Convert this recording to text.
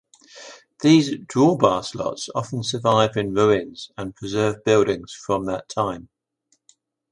These drawbar slots often survive in ruins and preserved buildings from that time.